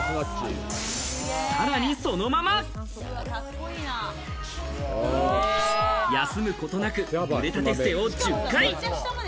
さらにそのまま休むことなく腕立て伏せを１０回。